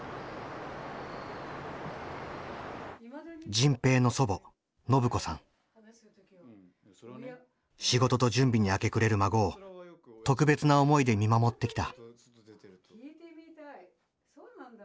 迅平の仕事と準備に明け暮れる孫を特別な思いで見守ってきた。